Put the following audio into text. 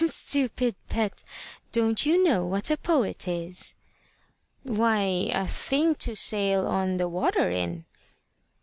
"Stupid pet! Don't you know what a poet is?" "Why, a thing to sail on the water in."